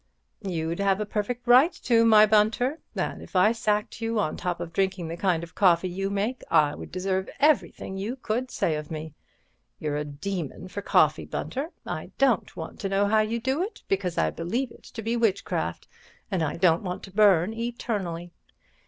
"You'd have a perfect right to, my Bunter, and if I sacked you on top of drinking the kind of coffee you make, I'd deserve everything you could say of me. You're a demon for coffee, Bunter—I don't want to know how you do it, because I believe it to be witchcraft, and I don't want to burn eternally.